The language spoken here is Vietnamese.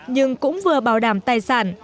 nhưng cũng vừa bảo đảm tài sản